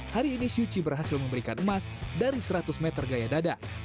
hari ini syuchi berhasil memberikan emas dari seratus meter gaya dada